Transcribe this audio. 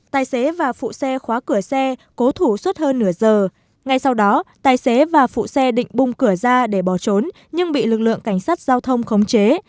tài xế và phụ xe khóa cửa xe cố thủ suốt hơn nửa giờ ngay sau đó tài xế và phụ xe định bùng cửa ra để bỏ trốn nhưng bị lực lượng cảnh sát giao thông khống chế